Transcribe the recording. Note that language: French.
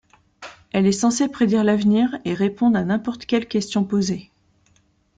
Elle est censée prédire l'avenir et répondre à n'importe quelle question posée.